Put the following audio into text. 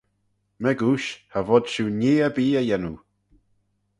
M'egooish cha vod shiu nhee erbee y yannoo.